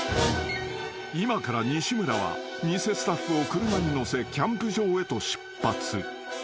［今から西村は偽スタッフを車に乗せキャンプ場へと出発］